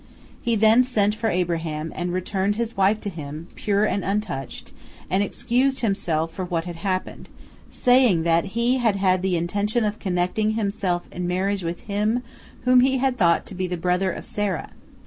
He then sent for Abraham and returned his wife to him, pure and untouched, and excused himself for what had happened, saying that he had had the intention of connecting himself in marriage with him, whom he had thought to be the brother of Sarah.